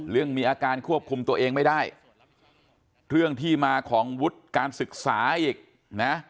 มีอาการควบคุมตัวเองไม่ได้เรื่องที่มาของวุฒิการศึกษาอีกนะ